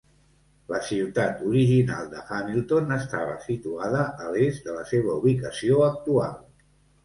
La ciutat original de Hamilton estava situada a l'est de la seva ubicació actual.